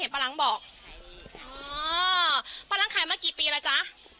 เห็นปลาลังบอกอ๋อปลาลังขายมากี่ปีแล้วจ้ะ